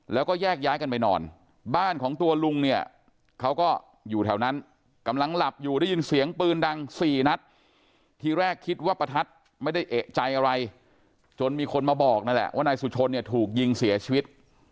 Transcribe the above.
แล้วก็แยกย้ายกันไปนอนบ้านของตัวลุงเนี่ยเขาก็อยู่แถวนั้นกำลังหลับอยู่ได้ยินเสียงปืนดังสี่นัดทีแรกคิดว่าประทัดไม่ได้เอกใจอะไรจนมีคนมาบอกนั่นแหละว่านายสุชนเนี่ยถูกยิงเสียชีวิต